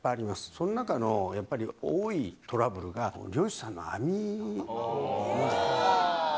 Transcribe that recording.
その中の、やっぱり多いトラブルが、漁師さんの網なんですね。